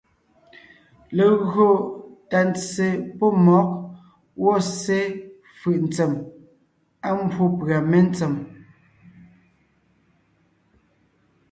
Legÿo tà ntse pɔ́ mmɔ̌g gwɔ̂ ssé fʉ̀’ ntsém, á mbwó pʉ̀a mentsém,